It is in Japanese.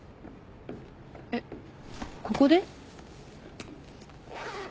えっここで？